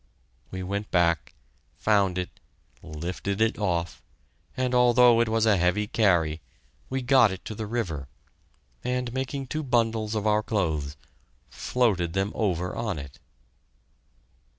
We went back, found it, and lifted it off, and although it was a heavy carry, we got it to the river, and, making two bundles of our clothes, floated them over on it.